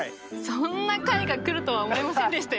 そんな回が来るとは思いませんでしたよ